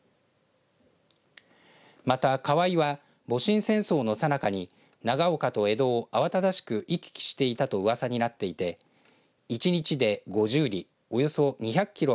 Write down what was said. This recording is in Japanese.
また河井は戊辰戦争のさなかに長岡と江戸を慌ただしく行き来していたとうわさになっていて１日で５０里およそ２００キロ